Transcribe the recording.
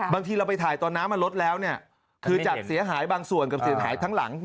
บางทีเราไปถ่ายตอนน้ำมันลดแล้วเนี่ยคือจากเสียหายบางส่วนกับเสียหายทั้งหลัง